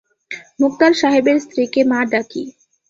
মোক্তার সাহেবের স্ত্রীকে মা ডাকি।